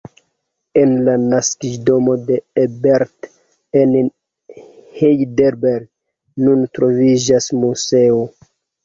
En la naskiĝdomo de Ebert, en Heidelberg, nun troviĝas muzeo.